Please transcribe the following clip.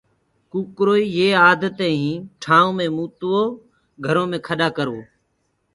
ڪوڪروئي يي آدتين هين ٺآئون مي متوو گھرو مي کڏآ ڪروو